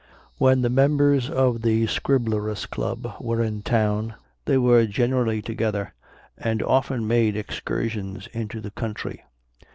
When the members of the Scriblerus Club were in town, they were generally together, and often made excursions into the country.